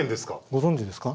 ご存じですか？